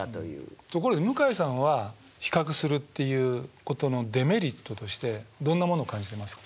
ところで向井さんは比較するっていうことのデメリットとしてどんなものを感じてますか？